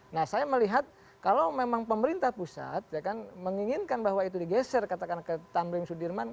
nah saya melihat kalau memang pemerintah pusat menginginkan bahwa itu digeser katakan ke tamrin sudirman